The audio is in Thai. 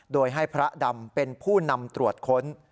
โดยให้พระดำเป็นผู้นำตรวจค้น